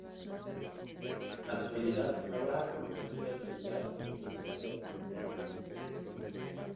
En la actualidad, trabaja como gerente de calidad en una empresa de construcción.